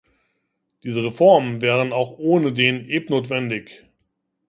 Diese Reformen wären auch ohne den Ebnotwendig.